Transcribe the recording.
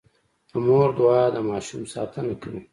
د مور دعا د ماشوم ساتنه کوي.